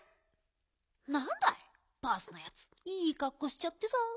なんだいバースのやついいかっこしちゃってさ。